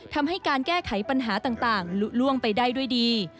ทำให้การแก้ไขปัญหาต่างลุล่วงไปได้ด้วยดี